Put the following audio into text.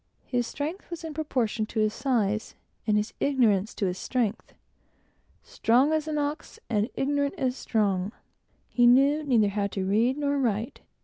His strength was in proportion to his size, and his ignorance to his strength "strong as an ox, and ignorant as strong." He neither knew how to read nor write.